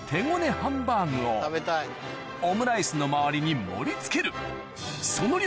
ハンバーグをオムライスの周りに盛り付けるその量